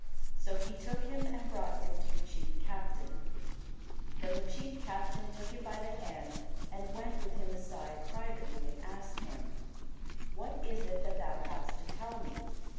So he took him, and brought him to the chief captain. Then the chief captain took him by the hand, and went with him aside privately, and asked him, What is that thou hast to tell me?